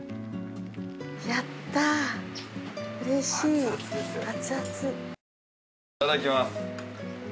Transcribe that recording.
いただきます。